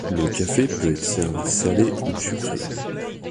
Le café peut être servi salé ou sucré.